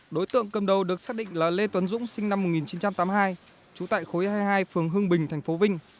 đối tượng cầm đầu được xác định là lê tuấn dũng sinh năm một nghìn chín trăm tám mươi hai